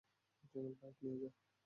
Bike নিয়ে যা।